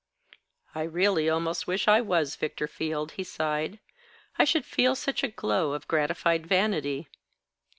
"I really almost wish I was Victor Field," he sighed. "I should feel such a glow of gratified vanity."